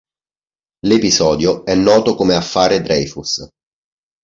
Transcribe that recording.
L'episodio è noto come "Affare Dreyfus".